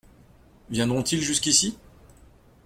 Viendront-ils jusqu’ici ?